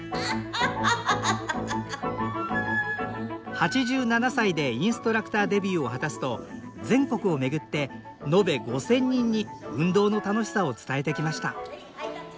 ８７歳でインストラクターデビューを果たすと全国を巡ってのべ５，０００人に運動の楽しさを伝えてきました。